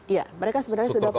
iya mereka sebenarnya sudah